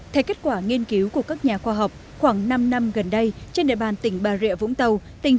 theo kết quả nghiên cứu của các nhà khoa học khoảng năm năm gần đây trên địa bàn tỉnh bà rịa vũng tàu